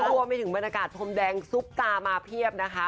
รวมไปถึงบรรยากาศพรมแดงซุปตามาเพียบนะคะ